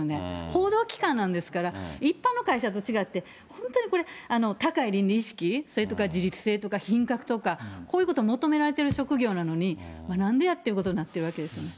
報道機関なんですから、一般の会社と違って、本当にこれ、高い倫理意識、それとか自律性とか品格とか、こういうことを求められている職業なのに、なんでやということになっているわけですよね。